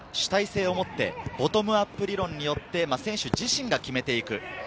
堀越高校、選手は主体性をもって、ボトムアップ理論によって選手自身が決めていく。